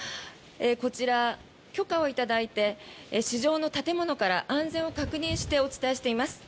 こちら、許可を頂いて地上の建物から安全を確認してお伝えしています。